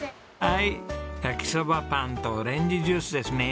はい焼そばパンとオレンジジュースですね。